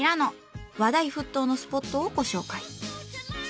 話題沸騰のスポットをご紹介。